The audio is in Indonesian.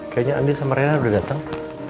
kayaknya andin sama reena udah dateng